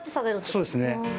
そうですね